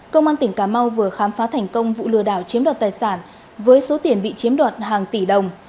công an tỉnh cà mau vừa khám phá thành công vụ lừa đảo chiếm đoạt tài sản với số tiền bị chiếm đoạt hàng tỷ đồng